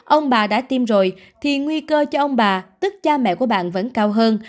ông bà đã tiêm rồi thì nguy cơ cho ông bà tức cha mẹ của bạn vẫn cao hơn